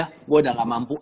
saya sudah tidak mampu